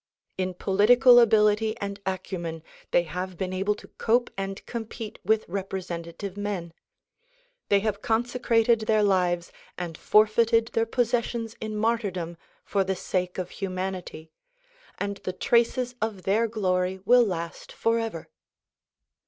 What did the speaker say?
In political ability and acumen they have been able to cope and compete with representative men. They have consecrated their lives and forfeited their possessions in martyrdom for the sake of humanity, and the traces of their glory will last forever.